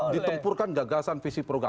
ditempurkan gagasan visi program